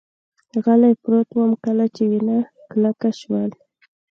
غلی پروت ووم، کله چې وینه کلکه شول.